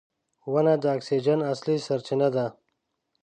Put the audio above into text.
• ونه د اکسیجن اصلي سرچینه ده.